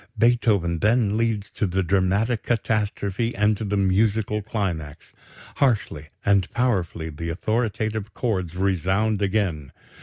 Beethoven then leads to the dramatic catastrophe and to the musical climax. Harshly and powerfully the authoritative chords resound again....